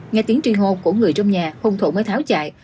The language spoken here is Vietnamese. nghe tiếng trì hô của người trong nhà hùng thủ mới tháo chạy